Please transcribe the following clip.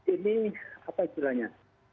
ini apa istilahnya